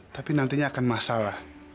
tapi nantinya akan masalah